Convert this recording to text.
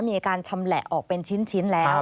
มีการชำแหละออกเป็นชิ้นแล้ว